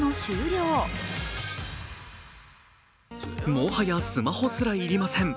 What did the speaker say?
もはやスマホすら要りません。